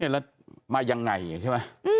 แล้วมายังไงใช่ไหม